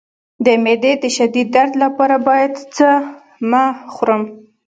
د معدې د شدید درد لپاره باید څه مه خورم؟